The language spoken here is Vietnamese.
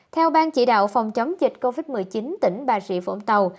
theo ban chỉ đạo phòng chống dịch covid một mươi chín tỉnh bà rịa vũng tàu